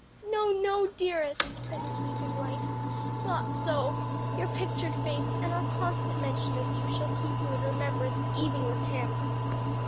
"No, no, dearest," said his weeping wife, "not so; your pictured face and our constant mention of you shall keep you in remembrance even with him."